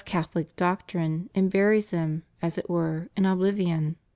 443 Catholic doctrine and buries them, as it were, in oblivion.